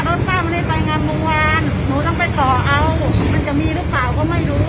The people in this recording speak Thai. รถป้ามันได้ไปงานบรงวารหนูต้องไปต่อเอามันจะมีหรือเปล่าก็ไม่อยู่